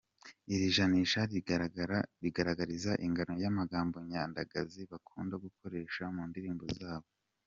Iri janisha rigaragaza ingano y’amagambo nyandagazi bakunda gukoresha mu ndirimbo zabo.